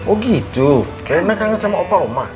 oh gitu kayaknya kangen sama opa oma